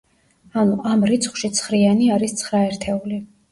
ანუ, ამ რიცხვში ცხრიანი არის ცხრა ერთეული.